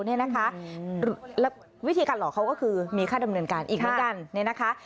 แล้ววิธีการหลอกเขาก็คือมีค่าดำเนินการอีกเหมือนกัน